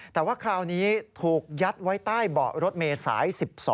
แต่ว่าคราวนี้ถูกยัดไว้ใต้เบาะรถเมษาย๑๒